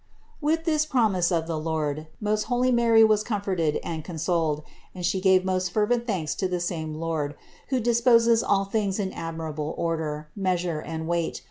With this promise of the Lord, most holy Mary was comforted and consoled, and She gave most fervent thanks to the same Lord, who disposes all things in ad mirable order, measure and weight.